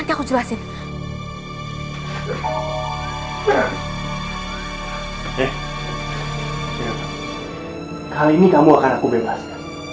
kali ini kamu akan aku bebasin